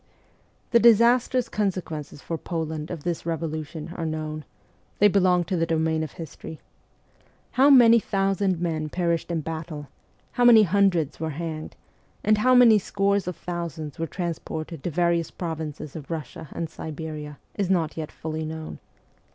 The disastrous consequences for Poland of this revo lution are known ; they belong to the domain of history. How many thousand men perished in battle, how many hundreds were hanged, and how many scores of thousands were transported to various provinces of Kussia and Siberia, is not yet fully known.